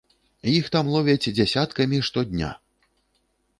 Іх там ловяць дзясяткамі штодня.